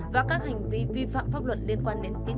và các hành vi vi phạm pháp luật liên quan đến tín dụng